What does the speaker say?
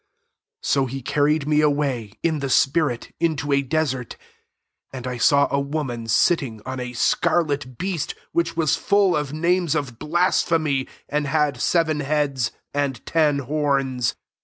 3 So he carried me away, in the spirit, into a desert : and I saw a woman sit ting on a scarlet beast, which was full of names of blasphemy, and had seven heads and ten horns.